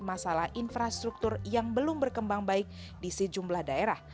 masalah infrastruktur yang belum berkembang baik di sejumlah daerah